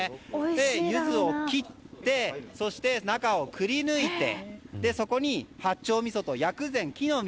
ユズを切ってそして中をくりぬいてそこに八丁みそと薬膳、木の実